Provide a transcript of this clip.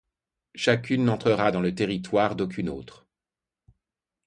Chacune n'entrera dans le territoire d'aucune autre.